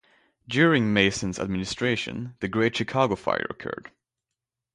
During Mason's administration, the Great Chicago Fire occurred.